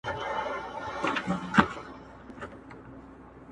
تحقیر او تبعیض خبري